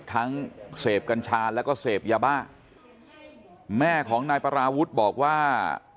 ทั้งเสพกัญชาแล้วก็เสพยาบ้าแม่ของนายปราวุฒิบอกว่า